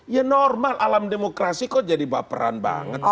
ya normal alam demokrasi kok jadi baperan banget